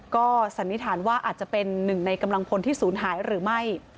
ก็สันนิษฐานว่าอาจจะเป็นหนึ่งในกำลังพลที่ศูนย์หายหรือไม่